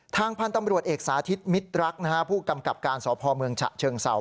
ทางพันธุ์ตำรวจเอกสาธิตมิตรรักผู้กำกับการสพเมืองฉะเชิงเศร้า